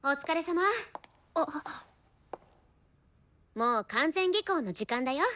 もう完全下校の時間だよ。